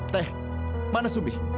teh mana sumi